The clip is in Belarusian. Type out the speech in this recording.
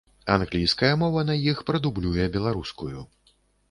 Англійская мова на іх прадублюе беларускую.